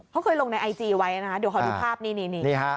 เขาเคยลงในไอจีไว้นะคะเดี๋ยวขอดูภาพนี่นี่ฮะ